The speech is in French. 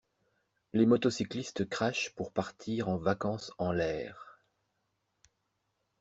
Les motocyclistes crachent pour partir en vacances en l'air.